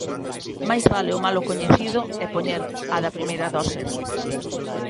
Máis vale o malo coñecido e poñer a da primeira dose.